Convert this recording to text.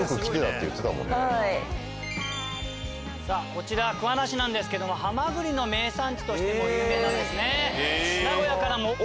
こちら桑名市なんですけどもはまぐりの名産地としても有名なんですね。